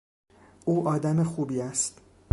او آدم خوبی است.